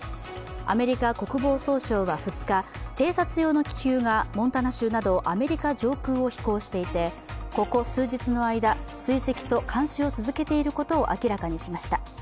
アメリカ国防総省は２日、偵察用の気球がモンタナ州などアメリカ上空を飛行していて、ここ数日の間、追跡と監視を続けていることを明らかにしました。